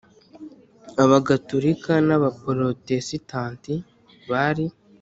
Abagatolika n abaporotesitanti bari